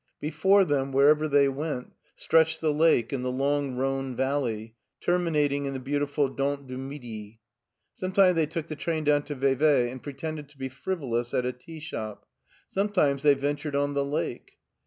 Before them, wherever they went, stretched the lake and the long Rhone valley, terminating in the beautiful Dent du Midi. Sometimes they took the train down to Vevey and pretended to be frivolous at a tea shop ; sometimes they ventured on the lake.